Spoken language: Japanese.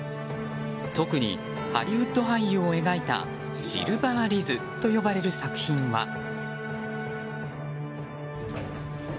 特にハリウッド俳優を描いた「シルバー・リズ」と呼ばれる作品は。